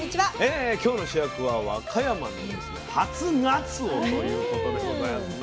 今日の主役は和歌山の初がつおということでございますね。